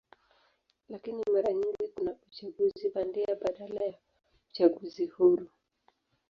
Lakini mara nyingi kuna uchaguzi bandia badala ya uchaguzi huru.